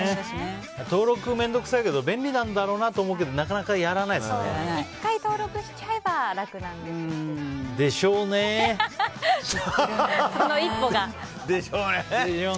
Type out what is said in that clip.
登録面倒くさいけど便利なんだろうなと思うけど１回登録しちゃえばでしょうねー！でしょうね。